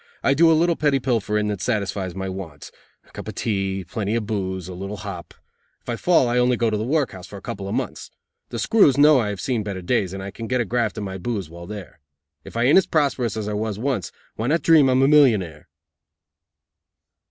I do a little petty pilfering that satisfies my wants a cup of tea, plenty of booze, and a little hop. If I fall I only go to the workhouse for a couple of months. The screws know I have seen better days and I can get a graft and my booze while there. If I aint as prosperous as I was once, why not dream I'm a millionaire?"